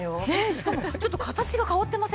しかもちょっと形が変わってません？